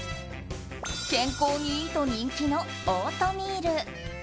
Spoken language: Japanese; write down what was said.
健康にいいと人気のオートミール。